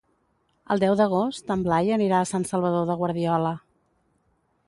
El deu d'agost en Blai anirà a Sant Salvador de Guardiola.